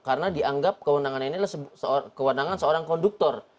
karena dianggap kewenangan ini adalah kewenangan seorang konduktor